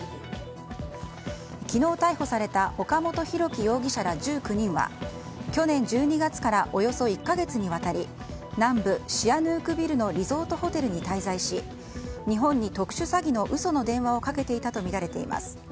昨日逮捕された岡本大樹容疑者ら１９人は去年１２月からおよそ１か月にわたり南部シアヌークビルのリゾートホテルに滞在し日本に特殊詐欺の嘘の電話をかけていたとみられています。